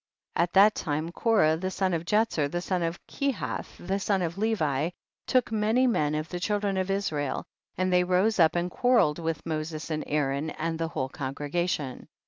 1. At that time Korah the son of Jetzer the son of Kehath the son of Levi, took many men of the children of Israel, and they rose up and quarrelled with Moses and Aaron and the whole congregation.